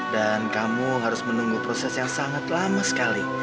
dan kamu harus menunggu proses yang sangat lama sekali